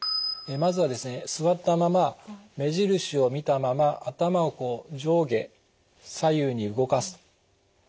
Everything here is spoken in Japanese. まずはですね座ったまま目印を見たまま頭をこう上下・左右に動かす。